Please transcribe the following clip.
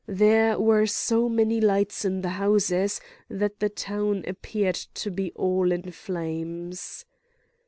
There were so many lights in the houses that the town appeared to be all in flames.